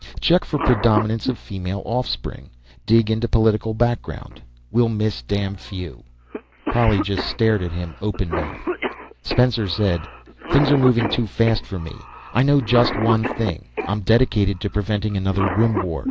Check for predominance of female offspring. Dig into political background. We'll miss damn few!" Polly just stared at him, mouth open. Spencer said: "Things are moving too fast for me. I know just one thing: I'm dedicated to preventing another Rim War.